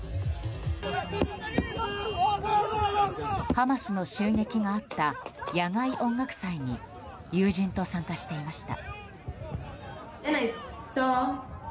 ハマスの襲撃があった野外音楽祭に友人と参加していました。